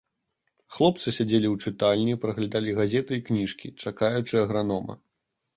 Хлопцы сядзелі ў чытальні, праглядалі газеты і кніжкі, чакаючы агранома.